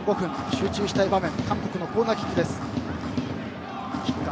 集中したい場面で韓国のコーナーキック。